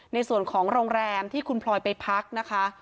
ในส่วนของโรงแรมที่คุณพลอยไปพักนะคะ